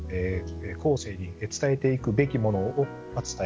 後世に伝えていくべきものを伝え